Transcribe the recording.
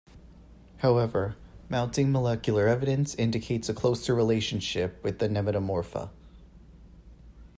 However, mounting molecular evidence indicates a closer relationship with the nematomorpha.